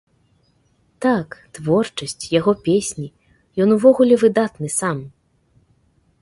Так, творчасць, яго песні, ён увогуле выдатны сам!